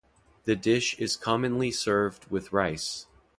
The dish is commonly served with rice.